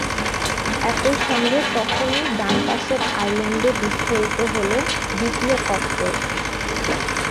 একই সঙ্গে তখনই ডান পাশের আইল্যান্ডে বিস্ফোরিত হলো দ্বিতীয় ককটেল।